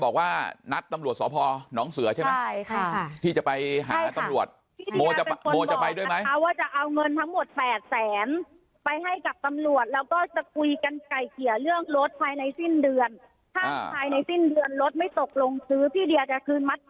คือจริงจริงค่ะ